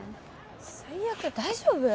最悪大丈夫？